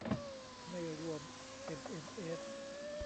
ไม่รวมเอ็มเอ็มเอส